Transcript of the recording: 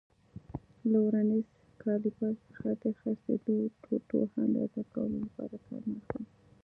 له ورنیز کالیپر څخه د څرخېدلو ټوټو اندازه کولو لپاره کار مه اخلئ.